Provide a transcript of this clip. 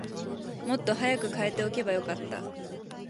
もっと早く替えておけばよかった